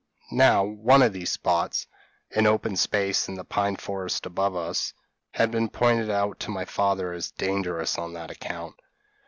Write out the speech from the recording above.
Now, one of these spots, an open space in the pine forests above us, had been pointed out to my father as dangerous on that account.